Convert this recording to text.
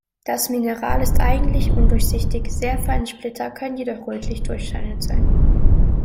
Das Mineral ist eigentlich undurchsichtig, sehr feine Splitter können jedoch rötlich durchscheinend sein.